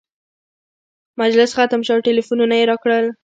مجلس ختم شو او ټلفونونه یې راکړل.